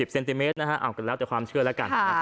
เซนติเมตรนะฮะก็แล้วแต่ความเชื่อแล้วกัน